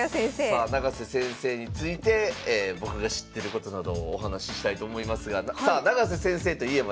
さあ永瀬先生について僕が知ってることなどをお話ししたいと思いますがさあ永瀬先生といえばですね